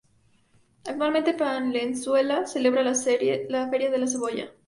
Anualmente, Palenzuela celebra la Feria de la Cebolla.